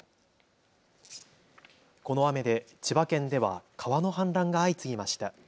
この雨で千葉県では川の氾濫が相次ぎました。